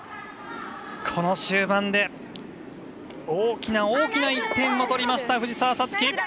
この終盤で大きな大きな１点を取りました、藤澤五月！